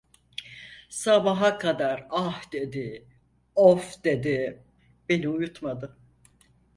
Sabaha kadar ah dedi, of dedi, beni uyutmadı.